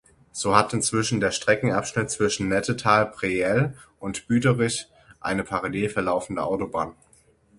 So hat inzwischen der Streckenabschnitt zwischen Nettetal-Breyell und Büderich eine parallel verlaufende Autobahn.